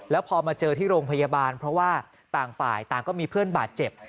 แล้วพอมาเจอที่โรงพยาบาลเพราะว่าต่างฝ่ายต่างก็มีเพื่อนบาดเจ็บ